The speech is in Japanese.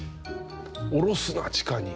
下ろすな地下に。